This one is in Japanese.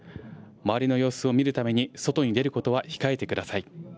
周りの様子を見るために外に出ることは控えてください。